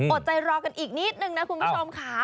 ใจรอกันอีกนิดนึงนะคุณผู้ชมค่ะ